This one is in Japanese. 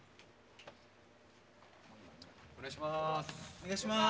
お願いします。